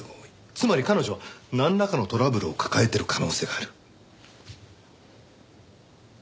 つまり彼女はなんらかのトラブルを抱えてる可能性がある。